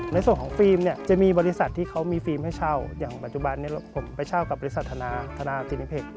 ในส่วนของฟิล์มเนี่ยจะมีบริษัทที่เขามีฟิล์มให้เช่าอย่างปัจจุบันนี้ผมไปเช่ากับบริษัทธนาธนาฟินิเคค